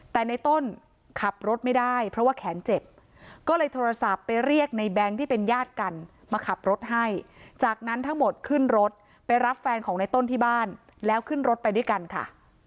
แต่ในต้นขับรถไม่ได้เพราะว่าแขนเจ็บก็เลยโทรศัพท์ไปเรียกในแบงค์ที่เป็นญาติกันมาขับรถให้จากนั้นทั้งหมดขึ้นรถไปรับแฟนของในต้นที่บ้านแล้วขึ้นรถไปด้วยกันค่ะ